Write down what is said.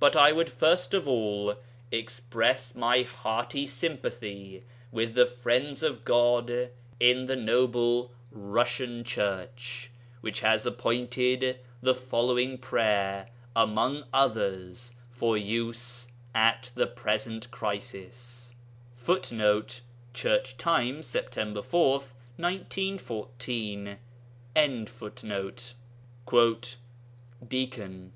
But I would first of all express my hearty sympathy with the friends of God in the noble Russian Church, which has appointed the following prayer among others for use at the present crisis: [Footnote: Church Times, Sept. 4, 1914.] 'Deacon.